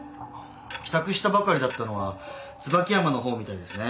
帰宅したばかりだったのは椿山のほうみたいですね。